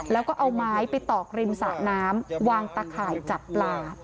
แล้วก็เอาไม้ไปตอกริมสะน้ำวางตะข่ายจับปลา